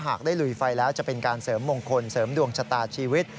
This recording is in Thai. ได้ลุยไฟแล้วจะเป็นการเสริมมงคลเสริมดวงชะตาชีวิต